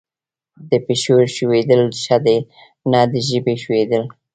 د پښې ښویېدل ښه دي نه د ژبې ښویېدل.